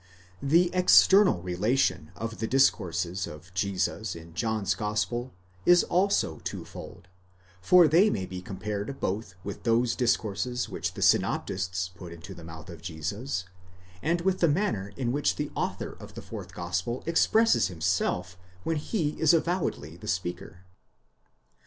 The external relation of the discourses of Jesus in John's gospel is also twofold ; for they may be compared both with those discourses which the synoptists put into the mouth of Jesus, and with the manner in which the author of the fourth gospel expresses himself when he is avowedly the speaker.